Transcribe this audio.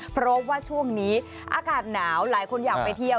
เพราะว่าช่วงนี้อากาศหนาวหลายคนอยากไปเที่ยว